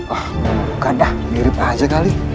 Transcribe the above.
oh ganda mirip aja kali